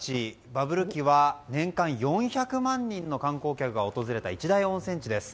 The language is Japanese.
バブル期は年間４００万人の観光客が訪れた一大温泉地です。